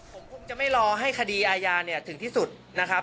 ผมคงจะไม่รอให้คดีอาญาเนี่ยถึงที่สุดนะครับ